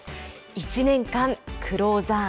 １年間クローザー。